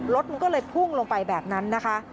รถมันก็เลยพุ่งลงไปแบบนั้นนะคะ